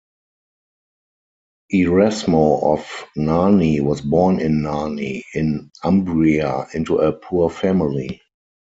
Erasmo of Narni was born in Narni, in Umbria, into a poor family.